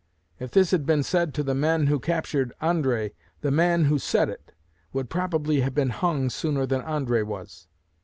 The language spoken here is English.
If this had been said to the men who captured Andre, the man who said it would probably have been hung sooner than Andre was.